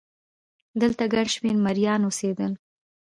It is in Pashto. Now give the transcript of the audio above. دلته ګڼ شمېر مریان اوسېدل.